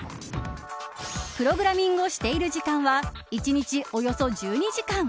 プログラミングをしている時間は１日およそ１２時間。